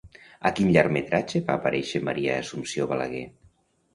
A quin llargmetratge va aparèixer Maria Assumpció Balaguer?